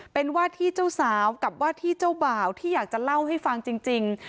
เป็นว่าที่เจ้าสาวกับว่าที่เจ้าบ่าวที่อยากจะเล่าให้ฟังจริง